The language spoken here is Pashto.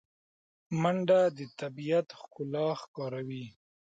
منډه د طبیعت ښکلا ښکاروي